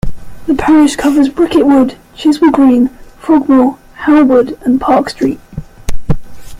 The parish covers Bricket Wood, Chiswell Green, Frogmore, How Wood and Park Street.